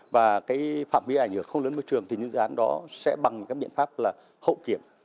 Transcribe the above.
và cái phạm vi ảnh hưởng không lớn môi trường thì những dự án đó sẽ bằng các biện pháp là hậu kiểm